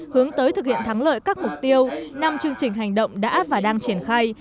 hướng tới thực hiện thắng lợi các mục tiêu năm chương trình hành động đã và đang triển khai